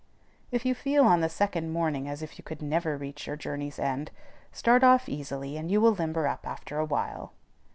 If you feel on the second morning as if you could never reach your journey's end, start off easily, and you will limber up after a while.